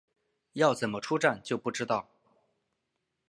要怎么出站就不知道